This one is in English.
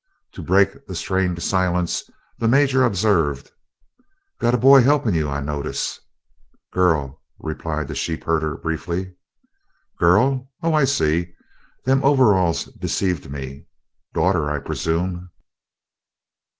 To break the strained silence the Major observed: "Got a boy helpin' you, I notice." "Girl," replied the sheepherder briefly. "Girl? Oh, I see! Them overalls deceived me. Daughter, I presume."